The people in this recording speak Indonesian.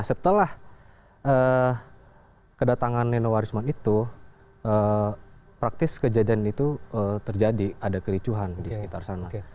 setelah kedatangan nenowarisman itu praktis kejadian itu terjadi ada kericuhan di sekitar sana